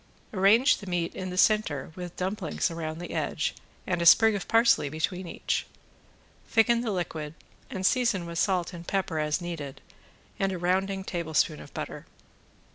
Arrange the meat in the center with dumplings around the edge and a sprig of parsley between each. Thicken the liquid and season with salt and pepper as needed and a rounding tablespoon of butter.